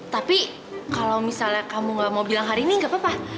tapi kalau misalnya kamu gak mau bilang hari ini nggak apa apa